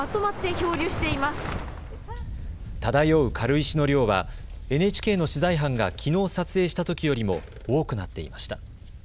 漂う軽石の量はＮＨＫの取材班がきのう撮影したときよりも多くなっていました。